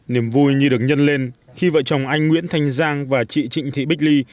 niềm vui như được nhân lên khi vợ chồng anh nguyễn thanh giang và chị trịnh thị bích ly